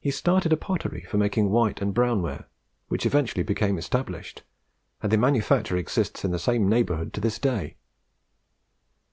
He started a pottery for making white and brown ware, which eventually became established, and the manufacture exists in the same neighbourhood to this day.